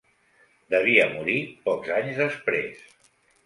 Devia morir pocs anys després.